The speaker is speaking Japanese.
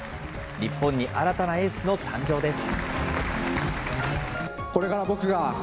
日本に新たなエースの誕生です。